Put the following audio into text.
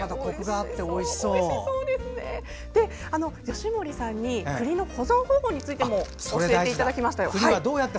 吉守さんに栗の保存方法についても教えていただきました。